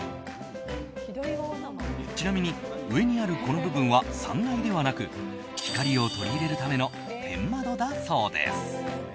ちなみに、上にあるこの部分は３階ではなく光を取り入れるための天窓だそうです。